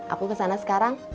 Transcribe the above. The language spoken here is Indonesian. aku kesana sekarang